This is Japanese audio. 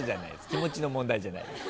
気持ちの問題じゃない。